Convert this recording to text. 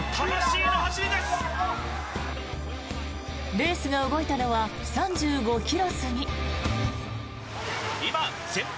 レースが動いたのは３５ｋｍ過ぎ。